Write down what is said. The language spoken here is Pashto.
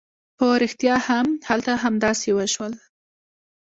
په رښتيا هم هلته همداسې وشول.